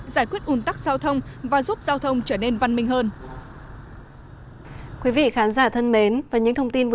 giải quyết un tắc giao thông và giúp giao thông trở nên văn minh hơn